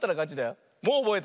もうおぼえたね。